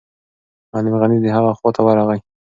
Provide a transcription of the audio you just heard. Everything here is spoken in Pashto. معلم غني د هغه خواته ورغی.